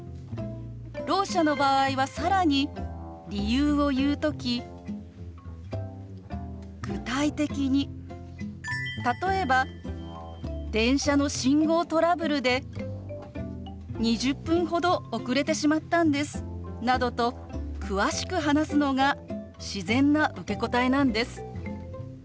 ろう者の場合は更に理由を言う時具体的に例えば電車の信号トラブルで２０分ほど遅れてしまったんですなどと詳しく話すのが自然な受け答えなんです。